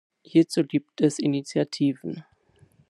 Hierzu gibt es Initiativen.